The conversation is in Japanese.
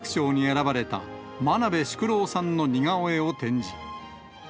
ことしの物理学賞に選ばれた真鍋淑郎さんの似顔絵を展示。